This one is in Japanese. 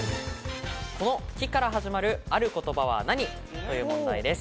この「キ」から始まるある言葉は何？という問題です。